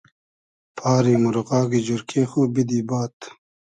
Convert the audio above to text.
پاری مورغاگی جورکې خو بیدی باد